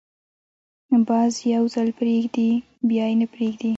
باز یو ځل پرېږدي، بیا یې نه پریږدي